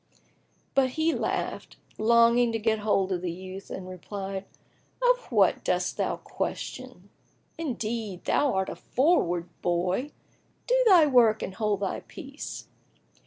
But he laughed, longing to get hold of the youth, and replied, "Of what dost thou question? Indeed thou art a froward boy! Do thy work and hold thy peace."